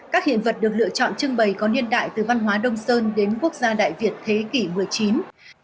các hiện vật được lựa chọn trưng bày có niên đại từ văn hóa đông sơn đến quốc gia đại việt thế kỷ xix